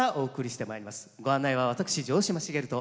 ご案内は私城島茂と。